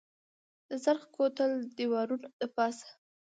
د سرخ کوتل دویرانو دپاسه